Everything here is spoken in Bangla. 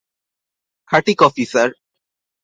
খাটি কফি স্যার।